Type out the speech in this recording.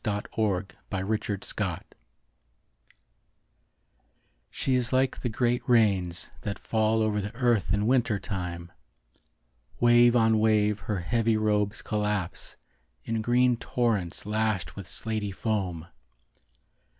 A Woman in Winter Costume She is like the great rains That fall over the earth in winter time. Wave on wave her heavy robes collapse In green torrents Lashed with slaty foam.